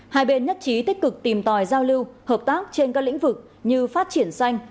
hai bên nhất trí tích cực tìm tòi giao lưu hợp tác trên các lĩnh vực như phát triển xanh